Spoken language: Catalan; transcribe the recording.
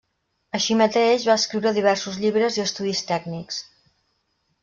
Així mateix va escriure diversos llibres i estudis tècnics.